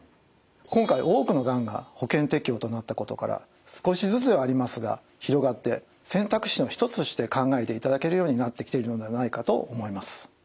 今回多くのがんが保険適用となったことから少しずつではありますが広がって選択肢の一つとして考えていただけるようになってきているのではないかと思います。